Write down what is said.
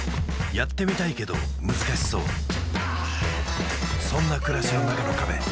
やってみたいけど難しそうそんな暮らしの中の壁